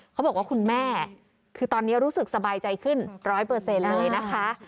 เขาบอกว่าคุณแม่คือตอนนี้รู้สึกสบายใจขึ้นร้อยเปอร์เซ็นต์เลยนะคะ